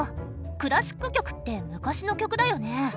クラシック曲って昔の曲だよね。